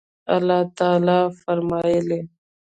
الله تعالى فرمايي